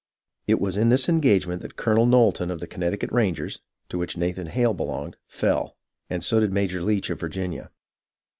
It was in this engagement that Colonel Knowlton of the Connecticut Rangers, to which Nathan Hale belonged, fell, and so did Major Leitch of Virginia.